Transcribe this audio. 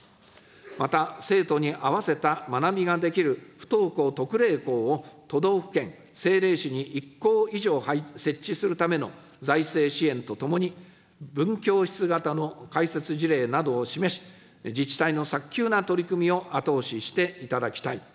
また、生徒に合わせた学びができる不登校特例校を都道府県、政令市に１校以上設置するための財政支援とともに、分教室型の開設事例などを示し、自治体の早急な取り組みを後押ししていただきたい。